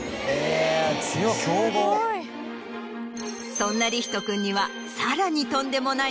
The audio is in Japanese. そんな凛仁くんにはさらにとんでもない。